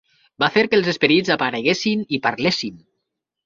Va fer que els esperits apareguessin i parlessin!